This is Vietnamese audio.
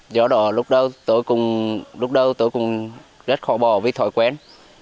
do đó lúc đầu tôi cũng rất khó bỏ với thói quen